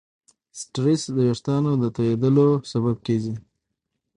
سټرېس د وېښتیانو تویېدلو سبب کېږي.